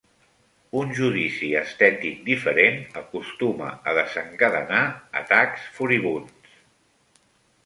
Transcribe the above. Un judici estètic diferent acostuma a desencadenar atacs furibunds.